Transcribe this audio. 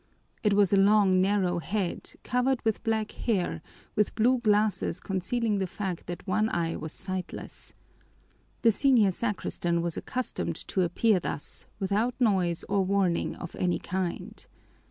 It was a long, narrow head covered with black hair, with blue glasses concealing the fact that one eye was sightless. The senior sacristan was accustomed to appear thus without noise or warning of any kind.